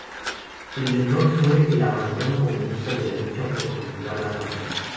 El error fue el abandono comunista de la lucha por cautivar a las masas.